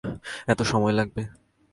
এতে সময় লাগবে।